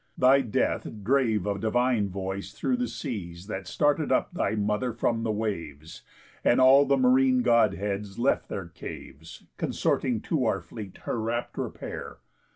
Thy death drave a divine voice through the seas That started up thy mother from the waves; And all the márine Godheads left their caves, Consorting to our fleet her rapt repair.